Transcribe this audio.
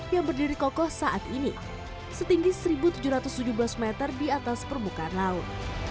yang berdiri kokoh saat ini setinggi satu tujuh ratus tujuh belas meter di atas permukaan laut